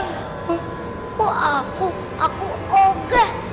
hah kok aku aku oh enggak